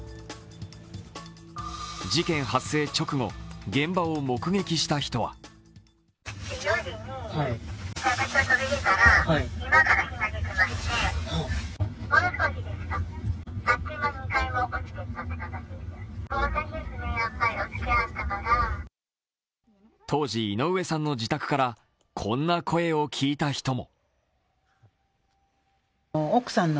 事件発生直後、現場を目撃した人は当時、井上さんの自宅からこんな声を聞いた人も。